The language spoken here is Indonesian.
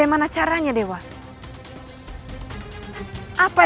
yang akan kumpul